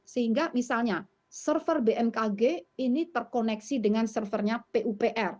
sehingga misalnya server bmkg ini terkoneksi dengan servernya pupr